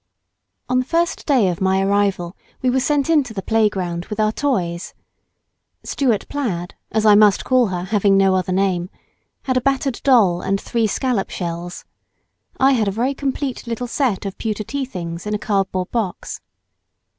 On the first day of my arrival we were sent into the "playground" with our toys. Stuart plaid, as I must call her, having no other name, had a battered doll and three scallop shells I had a very complete little set of pewter tea things in a cardboard box.